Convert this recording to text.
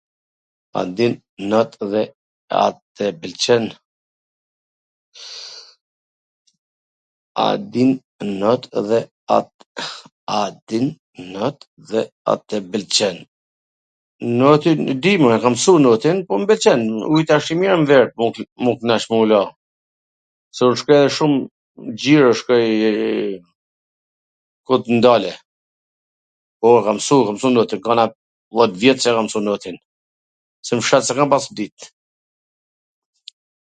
A din not dhe a tw pwlqen? Notin di more, e kam msu notin, po mw pwlqen, ujta asht i mir n ver, ... m u knaq me u la, se un shkoj dhe shum gjiro, ku t ndale, po, kam msu, kam msu not, u bona dhjet vjet qw e kam msu notin, se n fshat s e kam pas dit. .